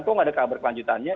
kok tidak ada kabar kelanjutannya